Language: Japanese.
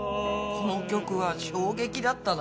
この曲は衝撃だったな。